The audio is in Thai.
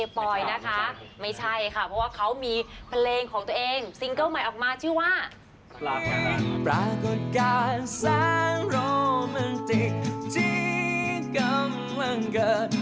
ปรากฏการสร้างโรมานติกที่กำลังเกิด